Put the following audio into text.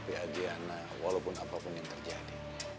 menghadapi adriana walaupun apapun yang terjadi